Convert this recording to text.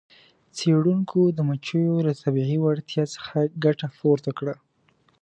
څیړونکو د مچیو له طبیعي وړتیا څخه ګټه پورته کړه.